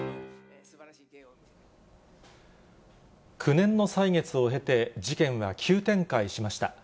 ９年の歳月を経て、事件は急展開しました。